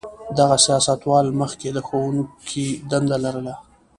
دغه سیاستوال مخکې د ښوونکي دنده لرله.